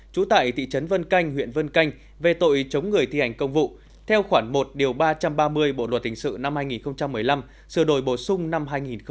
trú tại thị trấn vân canh huyện vân canh về tội chống người thi hành công vụ theo khoảng một ba trăm ba mươi bộ luật hình sự năm hai nghìn một mươi năm sửa đổi bổ sung năm hai nghìn một mươi bảy